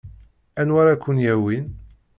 Anwa ara ken-yawin?